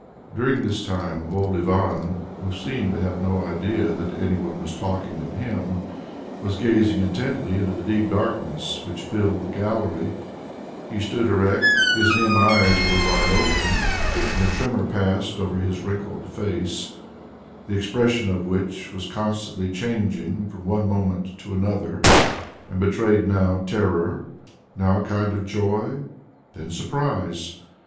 During this time old Ivan, who seemed to have no idea that any one was talking of him, was gazing intently into the deep darkness which filled the gallery; he stood erect, his dim eyes were wide open, and a tremor passed over his wrinkled face, the expression of which was constantly changing from one moment to another, and betrayed now terror, now a kind of joy, then surprise.